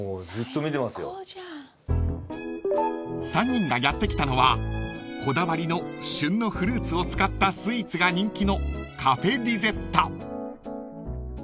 ［３人がやって来たのはこだわりの旬のフルーツを使ったスイーツが人気の］